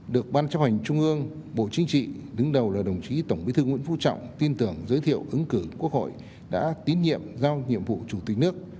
được ban chấp hành trung ương bộ chính trị đứng đầu là đồng chí tổng bí thư nguyễn phú trọng tin tưởng giới thiệu ứng cử quốc hội đã tín nhiệm giao nhiệm vụ chủ tịch nước